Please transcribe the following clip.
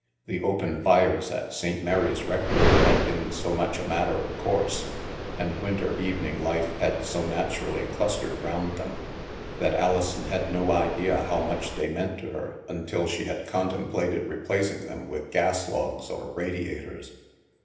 The open fires at St Mary's Rectory had been so much a matter of course, and winter evening life had so naturally clustered round them, that Ali son had no idea how much they meant to her until she had contemplated replacing them with gas logs or radiators.